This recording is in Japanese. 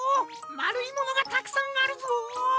まるいものがたくさんあるぞっ！